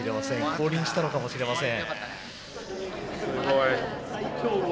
降臨したのかもしれません。